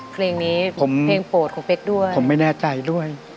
เพลงนี้ผมเพลงโปรดของเป๊กด้วยผมไม่แน่ใจด้วย